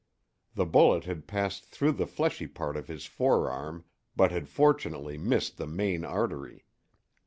The bullet had passed through the fleshy part of his forearm, but had fortunately missed the main artery.